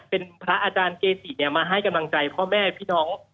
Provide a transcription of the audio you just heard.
เป็นพระอาจารย์เกจิมาให้กำลังใจพ่อแม่พี่น้อง